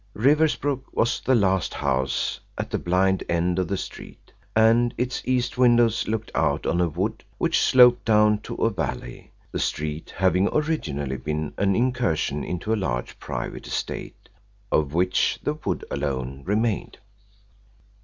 Riversbrook was the last house at the blind end of the street, and its east windows looked out on a wood which sloped down to a valley, the street having originally been an incursion into a large private estate, of which the wood alone remained.